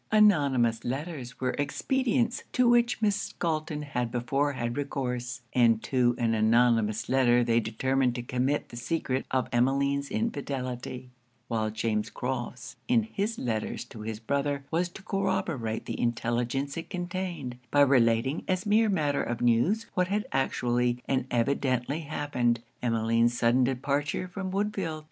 Anonymous letters were expedients to which Miss Galton had before had recourse, and to an anonymous letter they determined to commit the secret of Emmeline's infidelity while James Crofts, in his letters to his brother, was to corroborate the intelligence it contained, by relating as mere matter of news what had actually and evidently happened, Emmeline's sudden departure from Woodfield.